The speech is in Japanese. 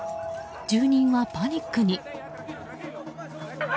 住人はパニックに。